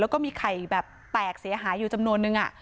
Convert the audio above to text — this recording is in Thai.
แล้วก็มีไข่แบบแตกเสียหายอยู่จำนวนนึง